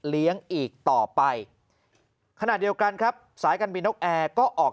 เลี้ยงอีกต่อไปขณะเดียวกันครับสายการบินนกแอร์ก็ออก